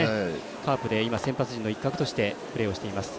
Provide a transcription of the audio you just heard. カープで先発陣の一角でプレーをしています。